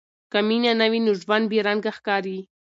که مینه نه وي، نو ژوند بې رنګه ښکاري.